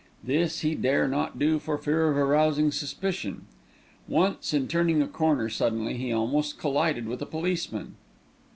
This he dare not do for fear of arousing suspicion. Once in turning a corner suddenly he almost collided with a policeman.